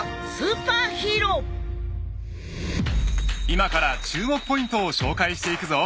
［今から注目ポイントを紹介していくぞ］